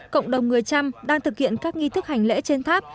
cộng đồng người trăm đang thực hiện các nghi thức hành lễ trên tháp